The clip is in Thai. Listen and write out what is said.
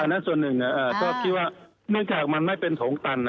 นั่นส่วนหนึ่งก็คิดว่าเนื่องจากมันไม่เป็นโถงตัน